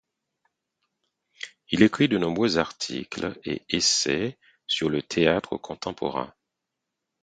Il écrit de nombreux articles et essais sur le théâtre contemporain.